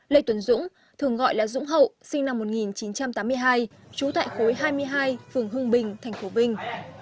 lê tuấn dũng thường gọi là dũng hậu sinh năm một nghìn chín trăm tám mươi hai trú tại khối hai mươi hai phường hương bình tp vinh